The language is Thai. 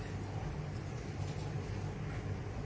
อุบิตหรือไม่